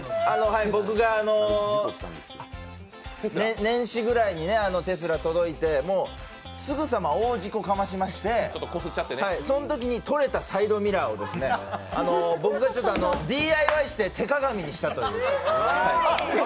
僕が、年始ぐらいにテスラ届いてもうすぐさま大事故かましまして、そのときに取れたサイドミラーを、僕がＤＩＹして手鏡にしたという。